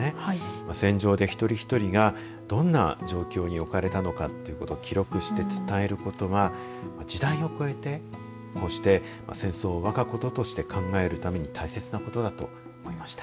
戦場で一人一人がどんな状況に置かれたのかということを記録して伝えることは時代を超えてこうして戦争をわがこととして考えるために大切なことだと思いました。